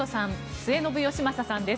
末延吉正さんです。